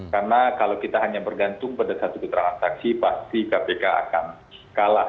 karena kalau kita hanya bergantung pada satu keterangan saksi pasti kpk akan kalah